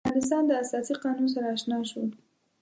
د افغانستان د اساسي قانون سره آشنا شو.